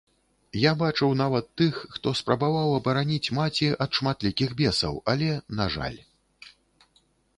Я бачыў нават тых, хто спрабаваў абараніць маці ад шматлікіх бесаў, але, на жаль...